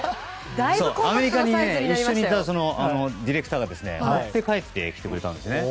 アメリカに一緒に行ったディレクターが持って帰ってきてくれたんですね。